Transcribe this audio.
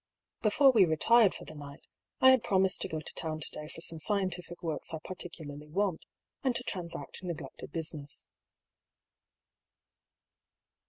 Before we retired for the night, I had promised to go to town to day for some scientific works I particu* larly want, and to transact neglected business.